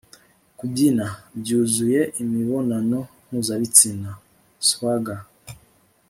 kubyina! -byuzuye imibonano mpuzabitsina, swagger